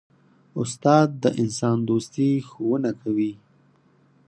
استاد د انسان دوستي ښوونه کوي.